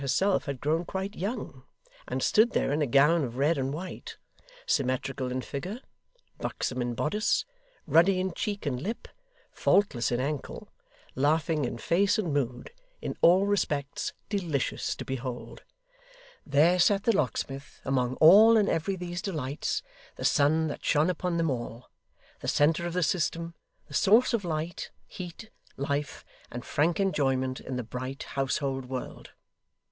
herself had grown quite young, and stood there in a gown of red and white: symmetrical in figure, buxom in bodice, ruddy in cheek and lip, faultless in ankle, laughing in face and mood, in all respects delicious to behold there sat the locksmith among all and every these delights, the sun that shone upon them all: the centre of the system: the source of light, heat, life, and frank enjoyment in the bright household world.